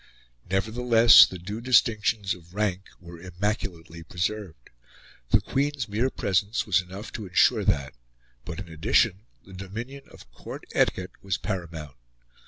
Nevertheless the due distinctions of rank were immaculately preserved. The Queen's mere presence was enough to ensure that; but, in addition, the dominion of court etiquette was paramount.